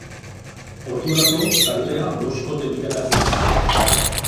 Ordurako, taldea boskote bilakatua zen.